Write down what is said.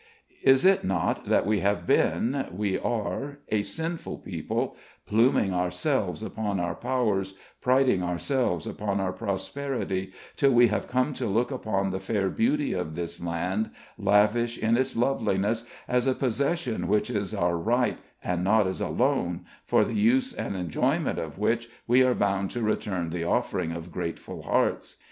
Is it not that we have been we are a sinful people, pluming ourselves upon our powers, priding ourselves upon our prosperity, till we have come to look upon the fair beauty of this land, lavish in its loveliness, as a possession which is our right, and not as a loan, for the use and enjoyment of which we are bound to return the offering of grateful hearts?